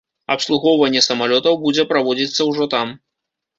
Абслугоўванне самалётаў будзе праводзіцца ўжо там.